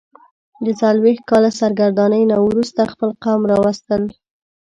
د څلوېښت کاله سرګرانۍ نه وروسته خپل قوم راوستل.